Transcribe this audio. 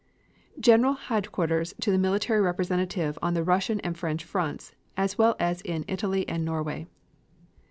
GENERAL HEADQUARTERS TO THE MILITARY REPRESENTATIVE ON THE RUSSIAN AND FRENCH FRONTS, AS WELL AS IN ITALY AND NORWAY.